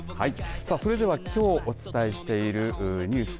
さあ、それではきょうお伝えしているニュース